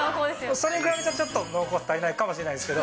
それぐらいだと、濃厚さ足りないかもしれないですけど。